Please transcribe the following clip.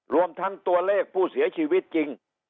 รวมทั้งตัวเลขผู้เสียชีวิตจริง